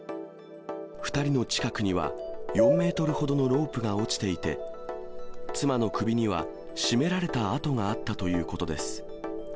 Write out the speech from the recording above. ２人の近くには、４メートルほどのロープが落ちていて、妻の首には、絞められた痕があったということです。